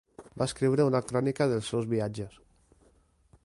Va escriure una crònica dels seus viatges.